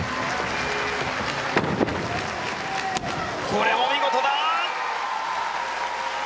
これも見事だ！